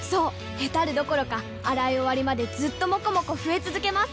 ヘタるどころか洗い終わりまでずっともこもこ増え続けます！